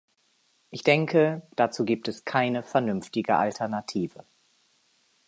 Ich denke, dazu gibt es keine vernünftige Alternative.